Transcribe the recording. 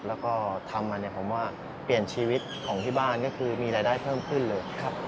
แล้วก็ทำมาเนี่ยผมว่าเปลี่ยนชีวิตของที่บ้านก็คือมีรายได้เพิ่มขึ้นเลย